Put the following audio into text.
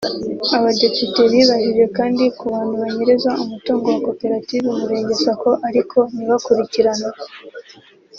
Abadepite bibajije kandi ku bantu banyereza umutungo wa Koperative Umurenge Sacco ariko ntibakurikiranwe